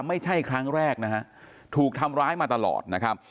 ไม่ใช่ครั้งแรกนะฮะถูกทำร้ายมาตลอดนะครับ